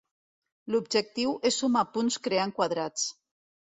L'objectiu és sumar punts creant quadrats.